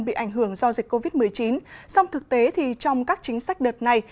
bị ảnh hưởng do dịch covid một mươi chín song thực tế thì trong các chính sách đợt này